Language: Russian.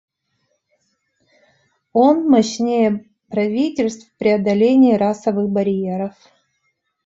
Он мощнее правительств в преодолении расовых барьеров.